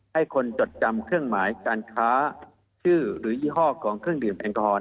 ให้คนจดจำเครื่องหมายการค้าชื่อ